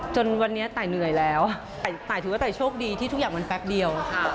จนวันนี้ตายเหนื่อยแล้วตายถือว่าตายโชคดีที่ทุกอย่างมันแป๊บเดียว